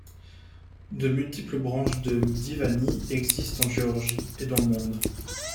De multiples branches de Mdivani existent en Géorgie et dans le monde.